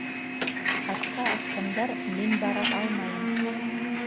Атһа атһындар... мин бара алмайым...